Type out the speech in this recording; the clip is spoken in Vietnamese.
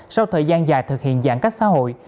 sau thời gian dài thực hiện giãn cách xã hội